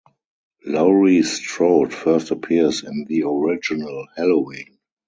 Laurie Strode first appears in the original "Halloween".